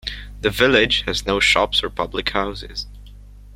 The village has no shops or public houses.